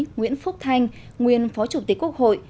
nguyễn phúc thanh nguyên phó chủ tịch quốc hội